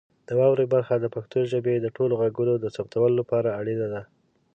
د واورئ برخه د پښتو ژبې د ټولو غږونو د ثبتولو لپاره اړینه ده.